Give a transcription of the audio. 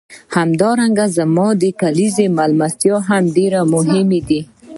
همدارنګه زما د کلیزو میلمستیاوې هم ډېرې مهمې دي.